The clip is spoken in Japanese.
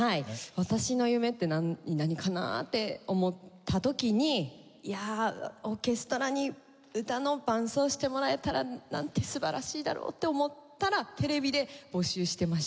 私の夢って何かな？って思った時にいやオーケストラに歌の伴奏をしてもらえたらなんて素晴らしいだろうって思ったらテレビで募集してました。